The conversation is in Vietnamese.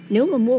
nếu mà mua